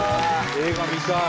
映画見たい。